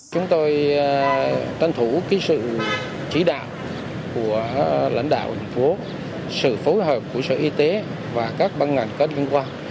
chúng tôi tranh thủ sự chỉ đạo của lãnh đạo thành phố sự phối hợp của sở y tế và các băng ngành có liên quan